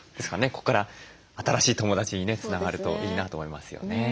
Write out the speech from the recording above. ここから新しい友だちにねつながるといいなと思いますよね。